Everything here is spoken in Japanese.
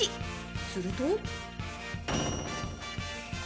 すると。